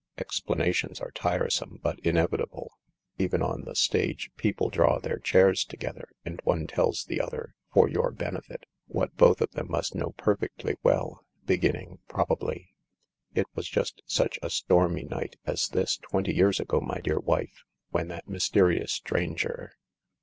Explanations are tiresome, but inevitable. Even on the stage people draw their chairs together, and one tells the other — for your benefit — what both of them must know perfectly well, beginning, probably :" It was just such a stormy night as this, twenty years ago, my dear wife, when that mysterious stranger